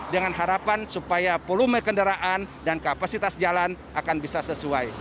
dengan harapan supaya volume kendaraan dan kapasitas jalan akan bisa sesuai